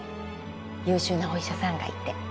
優秀なお医者さんがいて